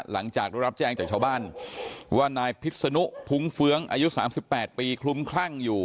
หลังจากได้รับแจ้งจากชาวบ้านว่านายพิษนุพุ้งเฟื้องอายุ๓๘ปีคลุ้มคลั่งอยู่